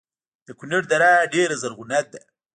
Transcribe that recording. د کونړ دره ډیره زرغونه ده